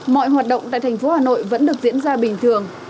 mọi hoạt động tại thành phố hà nội vẫn được diễn ra bình thường